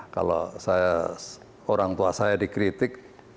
kalau orang tua saya dikritik